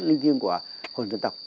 linh thiêng của hồn dân tộc